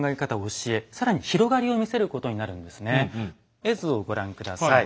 更に絵図をご覧下さい。